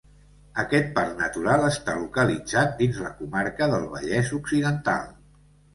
Aquest parc natural està localitzat dins la comarca del Vallès Occidental.